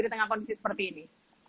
di tengah kondisi seperti ini